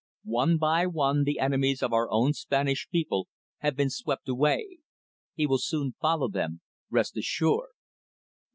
"One by one the enemies of our own Spanish people have been swept away. He will very soon follow them rest assured.